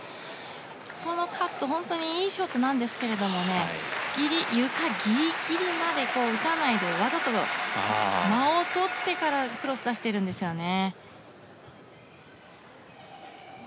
このカット、本当にいいショットなんですけども床ギリギリまで打たないでわざと間をとってからクロス出しているんですよね。